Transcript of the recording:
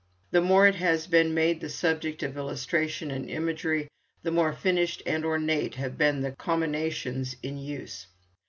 The more it has been made the subject of illustration and imagery, the more finished and ornate have been the comminations in use.